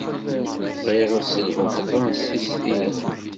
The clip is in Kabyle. Bɣiɣ ad sselhuɣ tafṛensist-inu.